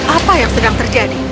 apa yang sedang terjadi